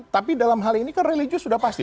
tapi dalam hal ini kan religius sudah pasti